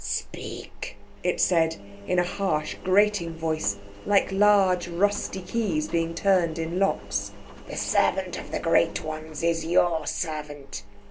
"Speak," it said, in a harsh, grating voice like large rusty keys being turned in locks. "The servant of the Great Ones is your servant.